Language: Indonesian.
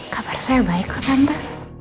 kabar saya baik kok tante